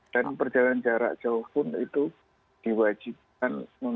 dan perjalanan jarak jauh pun itu diwajibkan